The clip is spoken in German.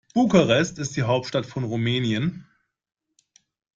Bukarest ist die Hauptstadt von Rumänien.